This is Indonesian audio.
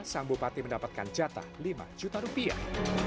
sang bupati mendapatkan jatah lima juta rupiah